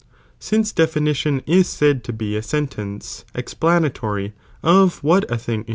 Since definition is said to be a sentence (ex plnnatory) of what a thing i!>